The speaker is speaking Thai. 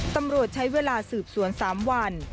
ตำรวจใช้เวลาสืบสวน๓วัน